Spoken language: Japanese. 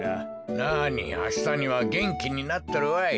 なにあしたにはげんきになっとるわい。